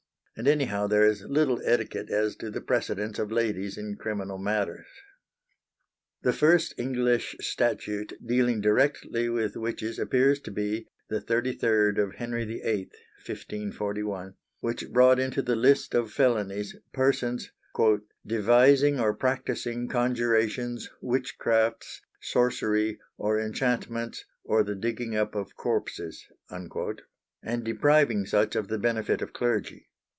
and anyhow there is little etiquette as to the precedence of ladies in criminal matters. The first English Statute dealing directly with witches appears to be the thirty third of Henry VIII (1541) which brought into the list of felonies persons "devising or practising conjurations, witchcraftes, sorcerie or inchantments or the digging up of corpses," and depriving such of the benefit of clergy.